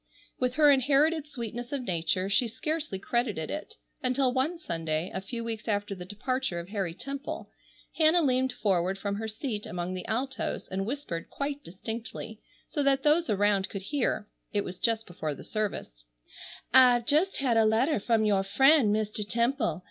With her inherited sweetness of nature she scarcely credited it, until one Sunday, a few weeks after the departure of Harry Temple, Hannah leaned forward from her seat among the altos and whispered quite distinctly, so that those around could hear—it was just before the service—"I've just had a letter from your friend Mr. Temple.